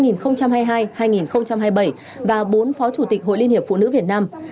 năm hai nghìn hai mươi hai hai nghìn hai mươi bảy và bốn phó chủ tịch hội liên hiệp phụ nữ việt nam